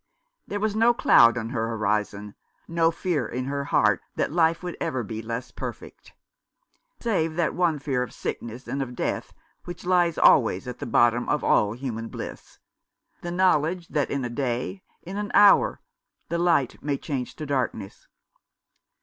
There was no cloud on her horizon, no fear in her heart that life would ever be less perfect ; save that one fear of sickness and of death which lies always at the bottom of all human bliss, the knowledge that in a day, in an hour, the light may change to darkness.